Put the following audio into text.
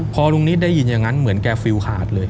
พอลุงนิดได้ยินอย่างนั้นเหมือนแกฟิลขาดเลย